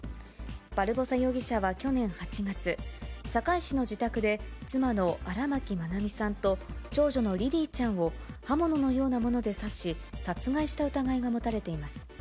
バルボサ容疑者は去年８月、堺市の自宅で、妻の荒牧愛美さんと長女のリリィちゃんを刃物のようなもので刺し、殺害した疑いが持たれています。